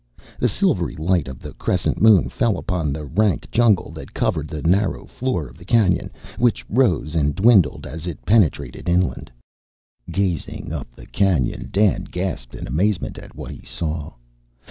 The silvery light of the crescent moon fell upon the rank jungle that covered the narrow floor of the canyon, which rose and dwindled as it penetrated inland. Gazing up the canyon, Dan gasped in amazement at what he saw.